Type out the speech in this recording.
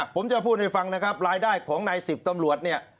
ผมจะพูดให้ฟังนะครับรายได้ของนายสิบตำรวจเนี่ย